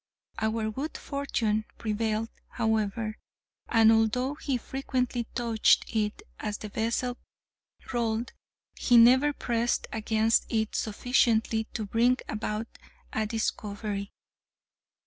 Our good fortune prevailed, however; and although he frequently touched it as the vessel rolled, he never pressed against it sufficiently to bring about a discovery.